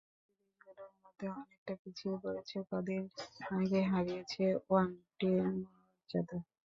সহযোগী দেশগুলোর মধ্যেও অনেকটা পিছিয়ে পড়েছে, কদিন আগে হারিয়েছে ওয়ানডে মর্যাদা।